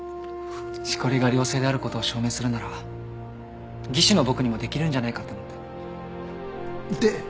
しこりが良性であることを証明するなら技師の僕にもできるんじゃないかと思って。